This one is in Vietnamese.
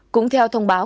cũng theo thông báo